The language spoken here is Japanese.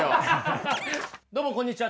どうもこんにちは。